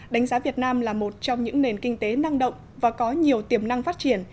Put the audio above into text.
đánh giá việt nam là một trong những nền kinh tế năng động và có nhiều tiềm năng phát triển